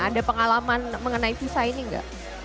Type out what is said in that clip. ada pengalaman mengenai visa ini nggak